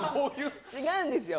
違うんです。